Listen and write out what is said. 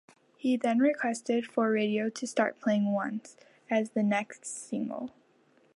He then requested for radio to start playing "Once" as the next single.